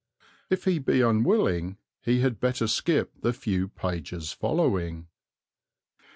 If he be unwilling, he had better skip the few pages following.